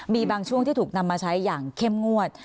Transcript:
มีบางช่วงที่ถูกนำมาใช้อย่างเข้มงวด